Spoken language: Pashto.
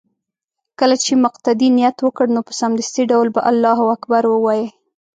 كله چې مقتدي نيت وكړ نو په سمدستي ډول به الله اكبر ووايي